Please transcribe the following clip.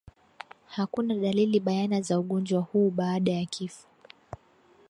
Hakuna dalili bayana za ugonjwa huu baada ya kifo